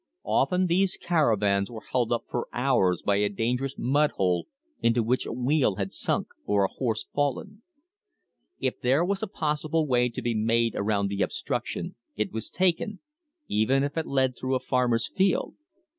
Often these caravans were held up for hours by a dangerous mud hole into which a wheel had sunk or a horse fallen. If there was a possible way to be made around the obstruction it was taken, even if it led through a farmer's field.